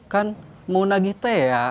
kan mau nagih t ya